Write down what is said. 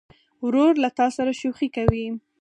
ورور له تا سره شوخي کوي.